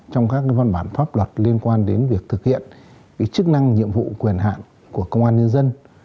trong các văn bản pháp luật liên quan đến việc thực hiện chức năng nhiệm vụ quyền hạn của công an nhân dân